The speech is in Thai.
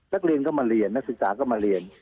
นักเรียนก็มาเรียนนักศึกษาก็มาเรียน